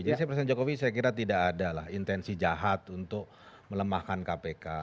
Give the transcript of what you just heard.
jadi presiden jokowi saya kira tidak ada lah intensi jahat untuk melemahkan kpk